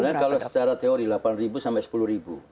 sebenarnya kalau secara teori delapan sampai sepuluh